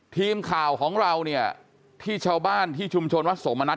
ทีมข่าวของเราที่ชาวบ้านชุมชนวัดสวมรณัฐ